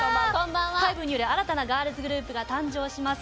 ＨＹＢＥによる新たなガールズグループが誕生します